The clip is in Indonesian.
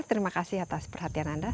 terima kasih atas perhatian anda